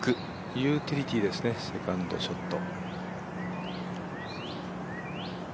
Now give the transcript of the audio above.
ユーティリティーですね、セカンドショット。